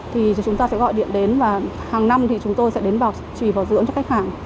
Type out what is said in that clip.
thì chúng ta sẽ gọi điện đến và hàng năm thì chúng tôi sẽ đến bảo trì bảo dưỡng cho khách hàng